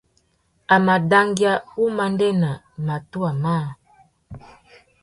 A mà dangüia wumandēna matuwa mâā.